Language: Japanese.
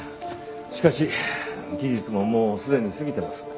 しかし期日ももうすでに過ぎてます。